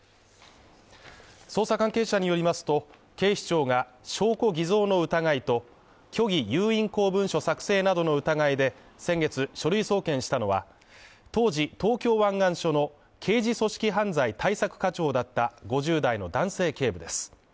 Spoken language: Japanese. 捜査関係者によりますと、警視庁が証拠偽造の疑いと虚偽有印公文書作成などの疑いで先月書類送検したのは、当時東京湾岸署の刑事組織犯罪対策課長だった５０代の男性警部です。